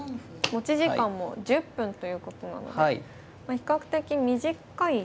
持ち時間も１０分ということなので比較的短いですか。